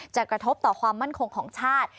กระทบต่อความมั่นคงของชาติ